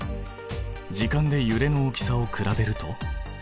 時間でゆれの大きさを比べると？